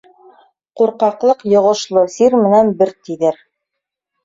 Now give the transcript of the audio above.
Ҡурҡаҡлыҡ йоғошло сир менән бер тиҙәр.